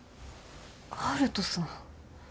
悠人さん。